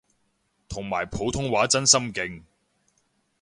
同埋普通話真心勁